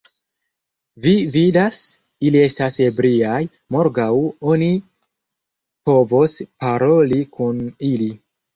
Vi vidas, ili estas ebriaj, morgaŭ oni povos paroli kun ili!